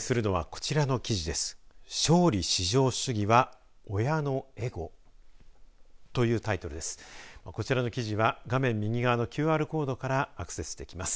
こちらの記事は画面右側のＱＲコードからアクセスできます。